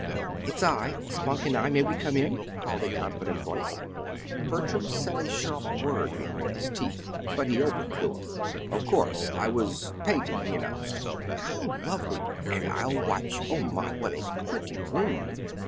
"It's I Spunk and I. May we come in?" called a confident voice. Bertram said a sharp word behind his teeth but he opened the door. "Of course! I was painting," he announced. "How lovely! And I'll watch you. Oh, my what a pretty room!"